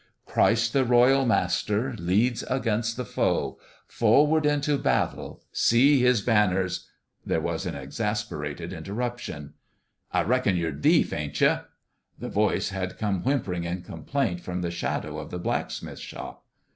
" Christ the royal master, Leads against the foe ; Forward into battle See His banners " There was an exasperated interruption :" I reckon you're deaf, ain't you? " The voice had come whimpering in complaint from the shadow of the blacksmith's shop.